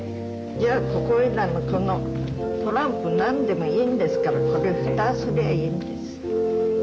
じゃあここいらのこのトランプ何でもいいんですからこれ蓋すりゃいいんです。